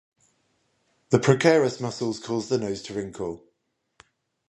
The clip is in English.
The procerus muscles cause the nose to wrinkle.